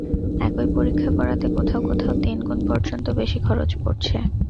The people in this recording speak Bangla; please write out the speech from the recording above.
একই পরীক্ষা করাতে কোথাও কোথাও তিন গুণ পর্যন্ত বেশি খরচ পড়ছে।